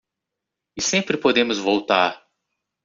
E sempre podemos voltar.